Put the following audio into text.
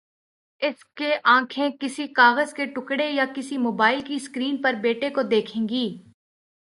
اس کے آنکھیں کسی کاغذ کے ٹکڑے یا کسی موبائل کی سکرین پر بیٹے کو دیکھیں گی۔